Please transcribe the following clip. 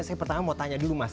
saya pertama mau tanya dulu mas